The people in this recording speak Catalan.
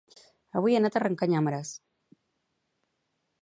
Avui he anat a arrencar nyàmeres